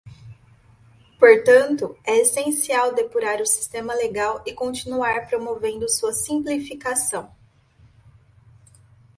Portanto, é essencial depurar o sistema legal e continuar promovendo sua simplificação.